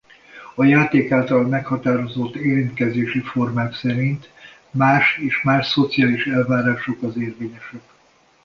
A játék által meghatározott érintkezési formák szerint más és más szociális elvárások az érvényesek.